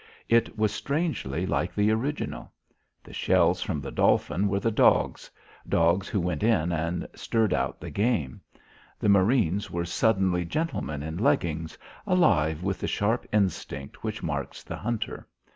It was strangely like the original. The shells from the Dolphin were the dogs; dogs who went in and stirred out the game. The marines were suddenly gentlemen in leggings, alive with the sharp instinct which marks the hunter.